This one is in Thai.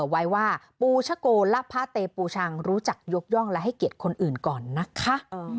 ไว้ว่าปูชะโกและพระเตปูชังรู้จักยกย่องและให้เกียรติคนอื่นก่อนนะคะ